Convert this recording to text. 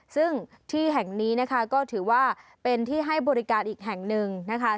ซึ่งที่แห่งนี้นะคะก็ถือว่าเป็นที่ให้บริการอีกแห่งหนึ่งนะคะ